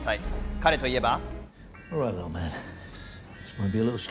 彼といえば。